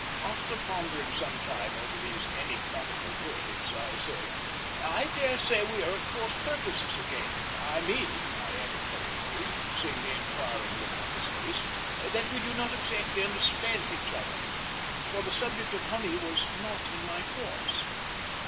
After pondering some time over these enigmatical words, I said: "I daresay we are at cross purposes again. I mean," I added hurriedly, seeing the inquiring look on his face, "that we do not exactly understand each other, for the subject of honey was not in my thoughts."